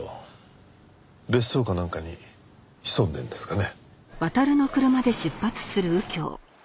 別荘かなんかに潜んでるんですかね？